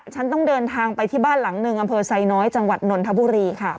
ฉันต้องเดินทางไปที่บ้านหลังหนึ่งอำเภอไซน้อยจังหวัดนนทบุรีค่ะ